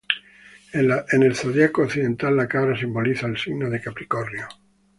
En el zodíaco occidental, la cabra simboliza al signo de Capricornio.